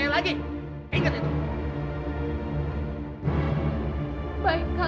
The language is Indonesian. karaernya sampai akal